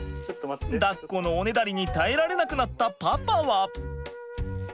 だっこのおねだりに耐えられなくなったパパは。